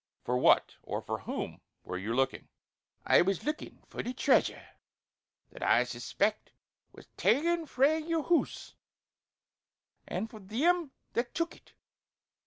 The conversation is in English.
For what or for whom were you looking?" "I was lookin' for the treasure that I suspect was ta'en frae your hoose; an' for them that took it!